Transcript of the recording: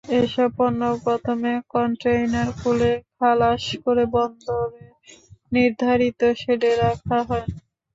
এসব পণ্য প্রথমে কনটেইনার খুলে খালাস করে বন্দরের নির্ধারিত শেডে রাখা হয়।